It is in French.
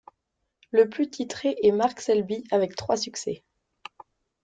Le plus titré est Mark Selby avec trois succès.